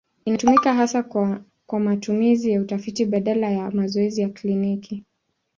Inatumika hasa kwa matumizi ya utafiti badala ya mazoezi ya kliniki.